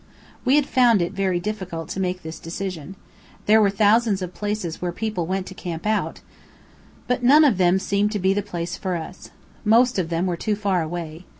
We found it very difficult to make this decision. There were thousands of places where people went to camp out, but none of them seemed to be the place for us. Most of them were too far away.